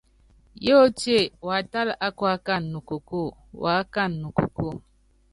Yótíe watála ákuákana nukokóo, uákana nukokóo.